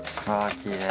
きれい！